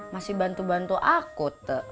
masih bantu bantu aku